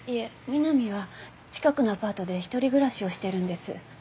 美波は近くのアパートで一人暮らしをしてるんです。